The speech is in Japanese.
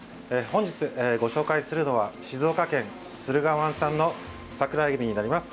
本日ご紹介するのは静岡県駿河湾産の桜えびになります。